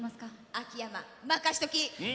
秋山まかしとき！